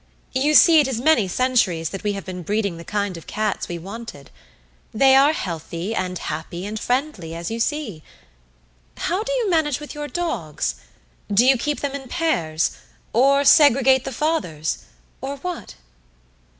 You see, it is many centuries that we have been breeding the kind of cats we wanted. They are healthy and happy and friendly, as you see. How do you manage with your dogs? Do you keep them in pairs, or segregate the fathers, or what?"